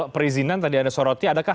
perizinan tadi anda soroti adakah